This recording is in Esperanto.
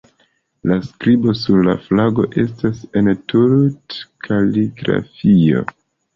La skribo sur la flago estas en la Thuluth-kaligrafio.